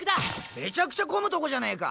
めちゃくちゃ混むとこじゃねえか！